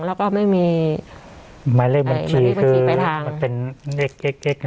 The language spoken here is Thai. แล้วก็ไม่มีหมายเลขบัญชีคือหมายเลขบัญชีปลายทางมันเป็นเอกเอกเอกนะ